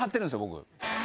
僕。